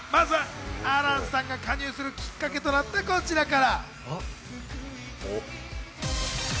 まずは亜嵐さんが加入するきっかけとなったこちらから。